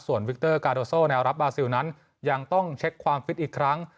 ส่วนวิกเตอร์กาโดโซแนวรับบาซิลนั้นยังต้องเช็คความฟิตอีกครั้ง